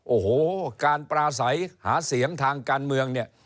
โอ้โหการปราศัยหาเสียงทางการเมืองเนี่ย